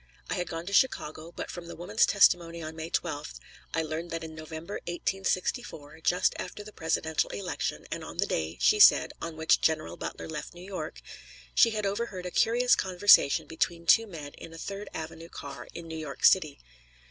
I had gone to Chicago, but from the woman's testimony on May 12th, I learned that in November, 1864, just after the presidential election, and on the day, she said, on which General Butler left New York, she had overheard a curious conversation between two men in a Third Avenue car in New York city.